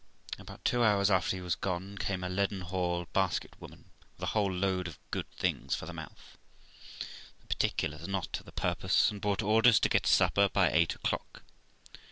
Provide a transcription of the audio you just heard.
About two hours after he was gone, came a Leadenhall basket woman, with a whole load of good things for the mouth (the particulars are not to the purpose), and brought orders to get supper by eight o'clock.